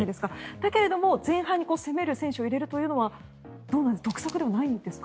だけれども前半に攻める選手を入れるというのはどうなんですか得策ではないんですか？